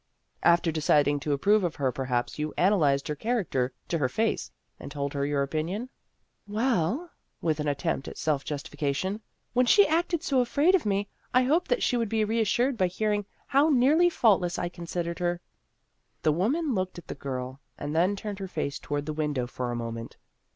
" After deciding to approve of her, per haps you analyzed her character to her face, and told her your opinion ?" "Well," with an attempt at self justifi cation, "when she acted so afraid of me, I hoped that she would be reassured by hearing how nearly faultless I considered her." The Ghost of Her Senior Year 235 The woman looked at the girl, and then turned her face toward the window for a moment.